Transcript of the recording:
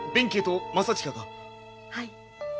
はい。